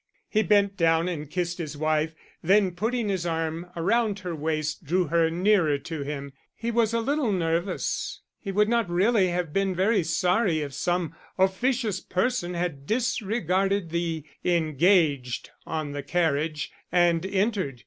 He bent down and kissed his wife, then putting his arm around her waist drew her nearer to him. He was a little nervous, he would not really have been very sorry if some officious person had disregarded the engaged on the carriage and entered.